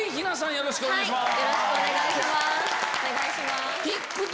よろしくお願いします。